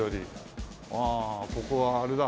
ああここはあれだ。